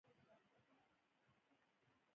خو سفر مو ښه و، د د ځان بندی کولو پرېکړه.